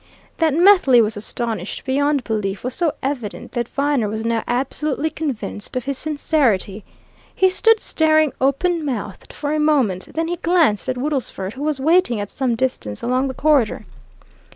That Methley was astonished beyond belief was so evident that Viner was now absolutely convinced of his sincerity. He stood staring open mouthed for a moment: then he glanced at Woodlesford, who was waiting at some distance along the corridor.